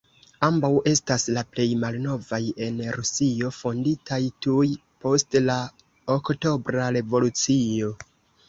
Ambaŭ estas la plej malnovaj en Rusio, fonditaj tuj post la Oktobra revolucio.